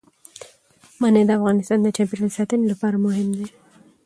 منی د افغانستان د چاپیریال ساتنې لپاره مهم دي.